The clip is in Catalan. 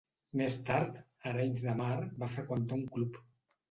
Més tard, a Arenys de Mar va freqüentar un club.